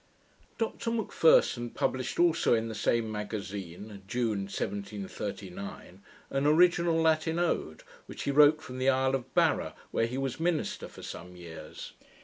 Dr M'Pherson published also in the same magazine, June 1739, an original Latin ode, which he wrote from the Isle of Barra, where he was minister for some years.